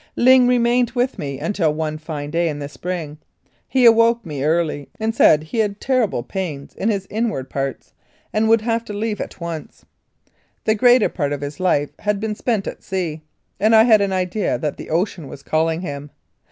Ling remained with me until one fine day in the spring; he awoke me early and said he had terrible pains in his inward parts and would have to leave at once. The greater part of his life had been spent at sea, and I had an idea that the ocean was calling him.